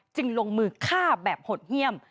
จึงลงมือฆ่าแบบหดเยี่ยม